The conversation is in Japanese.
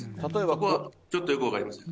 そこはちょっとよく分かりません。